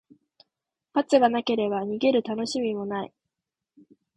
罰がなければ、逃げるたのしみもない。